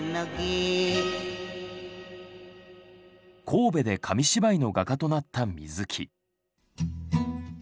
神戸で紙芝居の画家となった水木。